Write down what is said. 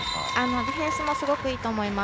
ディフェンスもすごくいいと思います。